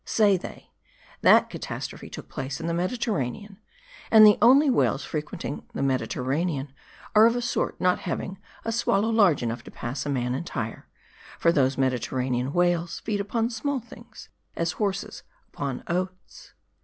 Say they " That catastrophe took place in the Mediterranean ; and the only whales frequenting the Mediterranean, are of a sort having not a swallow large enough to pass a man entire ; for those Mediterranean whales feed upon small things, as horses upon oats."